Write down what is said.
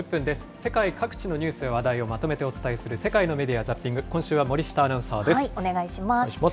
世界各地のニュースや話題をまとめてお伝えする世界のメディア・ザッピング、今週は森下アナウンサーです。